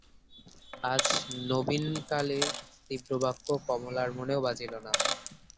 আজ নবীনকালীর তীব্রবাক্য কমলার মনেও বাজিল না।